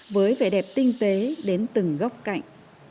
với vẻ đẹp tinh tế đến từng góc cạnh